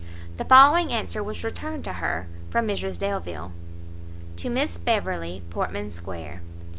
The following answer was returned her from Mrs Delvile; To Miss Beverley, Portman square.